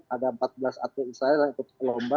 ada empat belas atlet israel yang ikut lomba